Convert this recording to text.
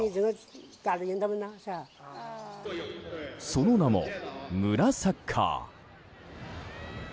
その名も村サッカー。